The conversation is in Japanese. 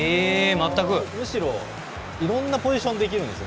むしろ、いろんなポジションができるんです。